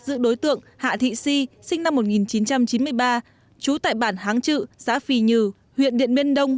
giữ đối tượng hạ thị si sinh năm một nghìn chín trăm chín mươi ba trú tại bản háng trự xã phì nhừ huyện điện biên đông